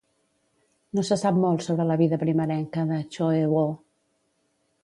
No se sap molt sobre la vida primerenca de Choe Woo.